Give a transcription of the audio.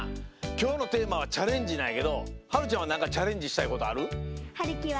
きょうのテーマは「チャレンジ」なんやけどはるちゃんはなんかチャレンジしたいことある？はるきはね